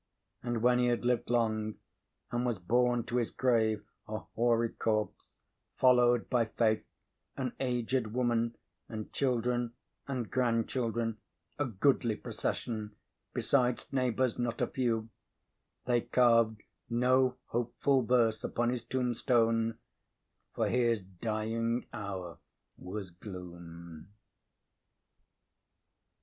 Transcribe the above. And when he had lived long, and was borne to his grave a hoary corpse, followed by Faith, an aged woman, and children and grandchildren, a goodly procession, besides neighbors not a few, they carved no hopeful verse upon his tombstone, for his dying hour was gloom.